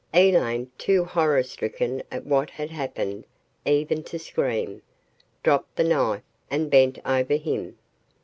Elaine, too horror stricken at what had happened even to scream, dropped the knife and bent over him.